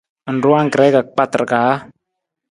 Ng ruu angkre ka kpatar kaa?